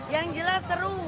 yang jelas seru rame